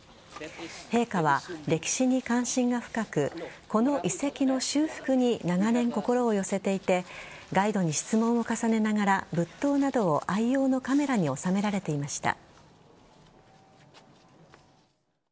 陛下は歴史に関心が深くこの遺跡の修復に長年、心を寄せていてガイドに質問を重ねながら仏塔などを愛用のカメラに収められていました。